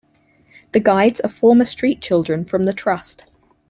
The guides are former street children from the trust.